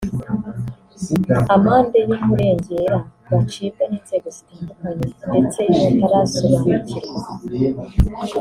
amande y’umurengera bacibwa n’inzego zitandukanye ndetse batarasobanukirwa